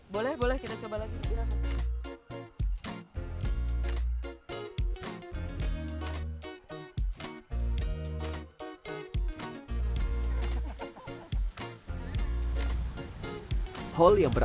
boleh boleh kita coba lagi